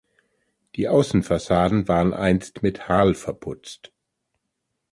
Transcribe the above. Die Außenfassaden waren einst mit Harl verputzt.